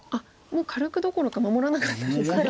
もう軽くどころか守らなかったですね。